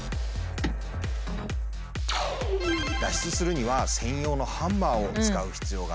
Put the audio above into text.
脱出するには専用のハンマーを使う必要があります。